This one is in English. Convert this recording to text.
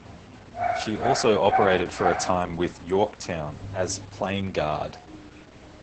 She also operated for a time with "Yorktown" as plane guard.